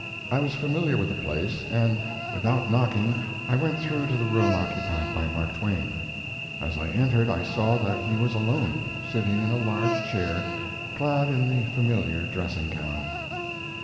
I was familiar with the place, and, without knocking, I went through to the room occupied by Mark Twain. As I entered I saw that he was alone, sitting in a large chair, clad in the familiar dressing gown.